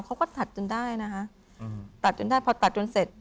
เขาก็ตัดจนได้นะคะอืมตัดจนได้พอตัดจนเสร็จ